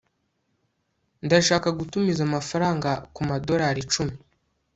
ndashaka gutumiza amafaranga kumadorari icumi